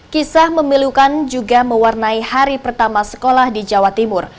kisah memilukan juga mewarnai hari pertama sekolah di jawa timur